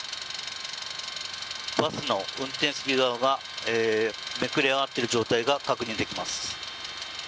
バスの運転席側がめくれ上がっている状態が確認できます。